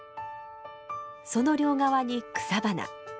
その両側に草花。